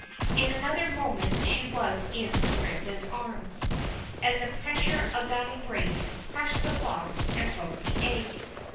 In another moment she was in the Prince's arms, and the pressure of that embrace crushed the box and broke the egg.